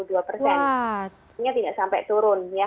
sehingga tidak sampai turun ya